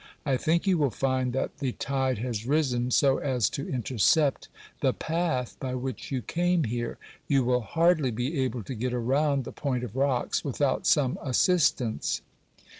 I think you will find that the tide has risen so as to intercept the path by which you came here. You will hardly be able to get around the point of rocks without some assistance.